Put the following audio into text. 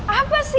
apa sih ani